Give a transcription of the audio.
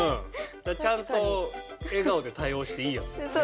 ちゃんと笑顔で対応していいやつだよね。